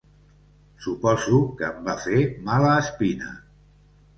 Suposo que em va fer mala espina.